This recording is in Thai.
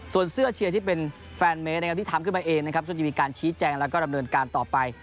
ส่วนเสื้อเชียร์ที่เป็นแฟนเมสนะครับที่ทำขึ้นมาเองนะครับก็จะมีการชี้แจงแล้วก็ดำเนินการต่อไป